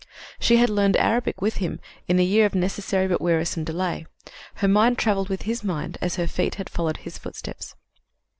"She had learned Arabic with him in a year of necessary but wearisome delay; her mind traveled with his mind as her feet had followed his footsteps."